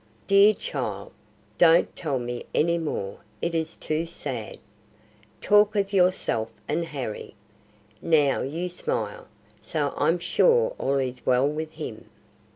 "Dear child, don't tell me any more; it is too sad. Talk of yourself and Harry. Now you smile, so I'm sure all is well with him."